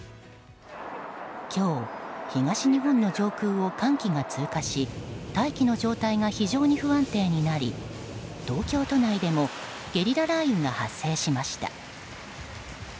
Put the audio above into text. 今日、東日本の上空を寒気が通過し大気の状態が非常に不安定になり東京都内でもゲリラ雷雨が発生しました。